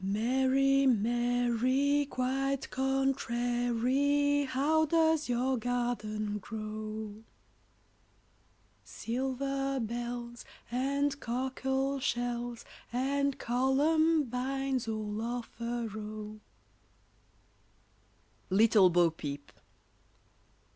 ] Mary, Mary, quite contrary, How does your garden grow? Silver bells and cockle shells, And columbines all of a row. [Illustration: LITTLE BO PEEP.